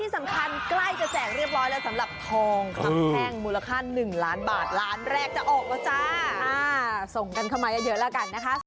ส่งกันเข้ามาเยอะแล้วกันนะคะ